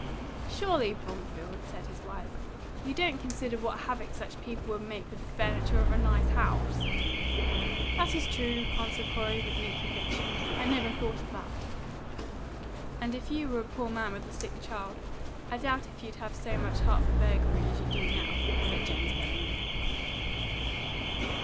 "Surely, Bromfield," said his wife, "you don't consider what havoc such people would make with the furniture of a nice house!" "That is true," answered Corey, with meek conviction. "I never thought of that." "And if you were a poor man with a sick child, I doubt if you'd have so much heart for burglary as you have now," said James Bellingham.